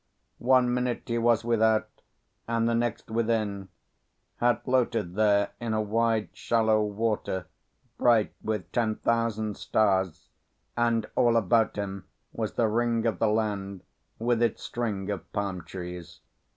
One minute he was without, and the next within: had floated there in a wide shallow water, bright with ten thousand stars, and all about him was the ring of the land, with its string of palm trees.